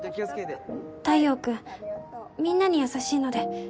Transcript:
太陽君みんなに優しいので。